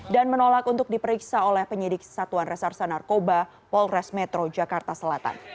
dan menolak untuk diperiksa oleh penyidik satuan resursa narkoba polres metro jakarta selatan